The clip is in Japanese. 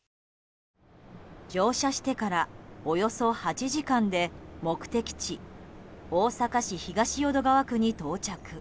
乗車してからおよそ８時間で目的地・大阪市東淀川区に到着。